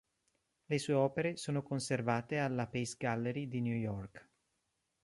Le sue opere sono conservate alla Pace Gallery di New York.